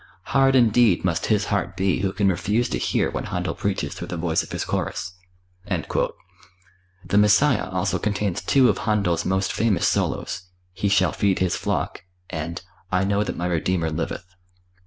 Hard indeed must his heart be who can refuse to hear when Händel preaches through the voice of his chorus." The "Messiah" also contains two of Händel's most famous solos, "He shall feed His flock" and "I know that my Redeemer liveth."